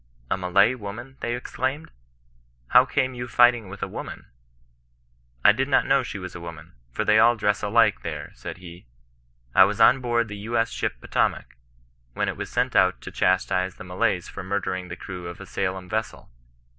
'^ A Malay woman !" they exclaimed. " How came you fighting with a woman ?"'< I did not know she was a woman, for they all dress alike there," said he. " I was on board the U. S. ship Potomac, when it was sent out to chastise the Malays for murdering the crew of a Salem vessel.